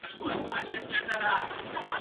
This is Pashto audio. په یوه جوال کي رېګ بل کي غنم وي.